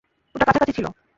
ওটা কাছাকাছি ছিল।